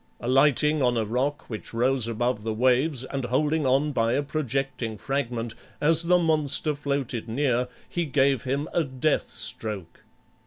Alighting on a rock which rose above the waves, and holding on by a projecting fragment, as the monster floated near he gave him a death stroke.